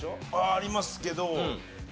ありますけど。